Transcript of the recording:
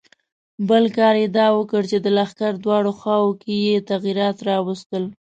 بل کار یې دا وکړ چې د لښکر دواړو خواوو کې یې تغیرات راوستل.